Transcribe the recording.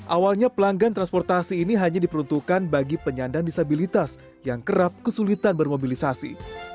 awalnya pelanggan transportasi ini hanya diperuntukkan bagi penyandang disabilitas yang kerap kesulitan bermobilisasi